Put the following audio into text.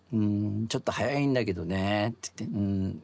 ちょっと速いんだけどねって言って。